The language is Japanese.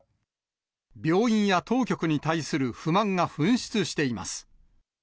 病院や当局に対する不満が噴出しています。